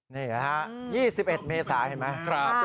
นี่ครับ๒๑เมสาเห็นไหม